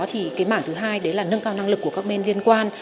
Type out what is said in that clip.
thì cái mảng thứ hai đấy là nâng cao năng lực của các bên liên quan